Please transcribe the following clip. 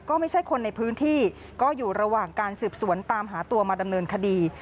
ก็ไม่ใช่คนในพื้นที่ก็อยู่ระหว่างการสืบสวนตามหาตัวมาดำเนินคดี